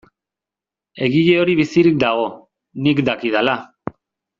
Egile hori bizirik dago, nik dakidala.